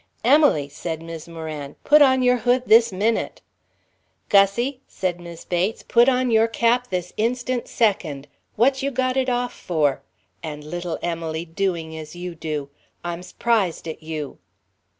"Emily," said Mis' Moran, "put on your hood this minute." "Gussie," said Mis' Bates, "put on your cap this instant second. What you got it off for? And little Emily doing as you do I'm su'prised at you."